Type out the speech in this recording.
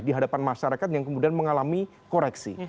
di hadapan masyarakat yang kemudian mengalami koreksi